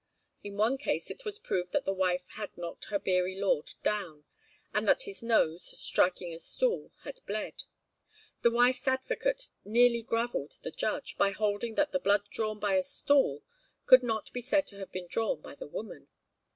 In one case it was proved that the wife had knocked her beery lord down, and that his nose, striking a stool, had bled. The wife's advocate nearly gravelled the judge, by holding that blood drawn by a stool could not be said to have been drawn by the woman.